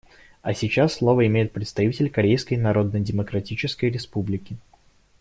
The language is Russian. А сейчас слово имеет представитель Корейской Народно-Демократической Республики.